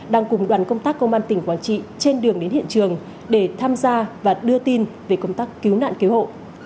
đang cùng đoàn công tác công an tỉnh quảng trị trên đường đến hiện trường để tham gia và đưa tin về công tác cứu nạn cứu hộ